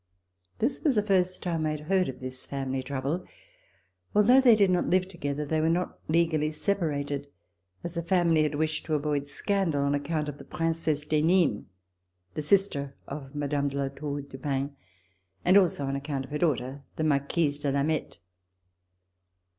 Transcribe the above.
This was the first time that I had heard of this family trouble. Although they did not live together, they were not legally separated, as the family had wished to avoid scandal on account of the Princesse d'Henin, the sister of Mme. de La Four du Pin, and also on account of her daughter, the Marquise de Lameth.